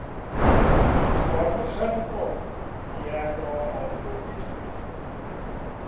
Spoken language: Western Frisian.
De sporter sette troch en hie efterôf alhiel gjin spyt.